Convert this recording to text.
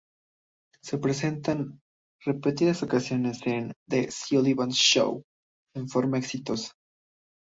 Se presentan repetidas ocasiones en "The Ed Sullivan Show" de forma exitosa.